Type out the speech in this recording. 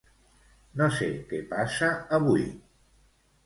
No sé què passa avui.